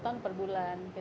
dua ton per bulan gitu